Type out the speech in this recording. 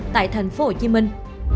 tại thành phố hồ chí minh